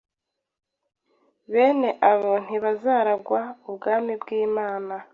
bene abo ntibazaragwa ubwami bw’Imana.”